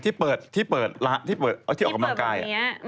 ที่เปิดออกกำลังกาย